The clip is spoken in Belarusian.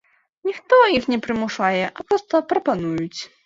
Ніхто іх не прымушае, а проста прапануюць.